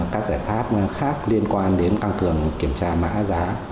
các giải pháp khác liên quan đến tăng cường kiểm tra mã giá